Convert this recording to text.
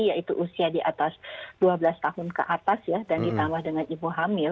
yaitu usia di atas dua belas tahun ke atas ya dan ditambah dengan ibu hamil